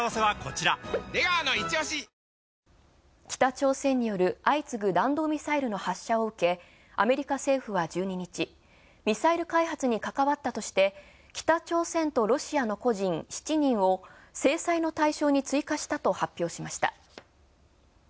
北朝鮮による相次ぐ弾道ミサイルの発射を受け、アメリカ政府は１２日、ミサイル開発にかかわったとして北朝鮮ロシアの７人を制裁の対象に追加したと発表しました。